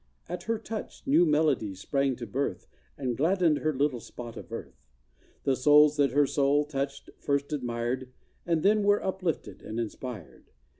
At her touch, new melodies sprang to birth, And gladdened her little spot of earth. The souls that her soul touched, first admired, And then were uplifted and inspired.